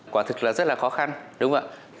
quả thực là rất là khó khăn đúng không ạ